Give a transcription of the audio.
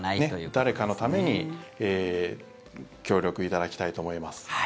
誰かのために協力いただきたいと思います。